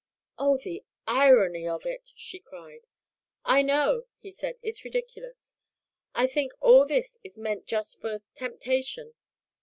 "Oh, the irony of it!" she cried. "I know," he said, "it's ridiculous. I think all this is meant just for temptation.